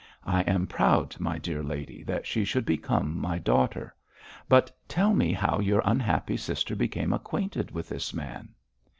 I am proud, my dear lady, that she should become my daughter. But tell me how your unhappy sister became acquainted with this man?'